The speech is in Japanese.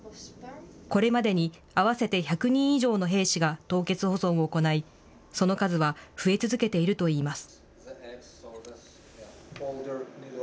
これまでに合わせて１００人以上の兵士が凍結保存を行い、その数は増え続けているといいます。